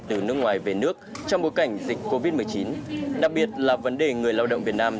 từ nước ngoài về nước trong bối cảnh dịch covid một mươi chín đặc biệt là vấn đề người lao động việt nam